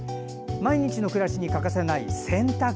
毎日の暮らしに欠かせない洗濯。